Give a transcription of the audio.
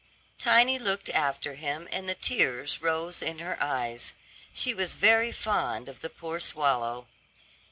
Tiny looked after him, and the tears rose in her eyes. She was very fond of the poor swallow.